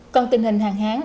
còn tình hình hàng háng